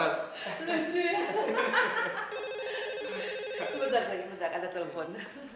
sebentar sebentar ada telepon